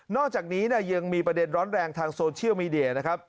อกจากนี้ยังมีประเด็นร้อนแรงทางโซเชียลมีเดียนะครับ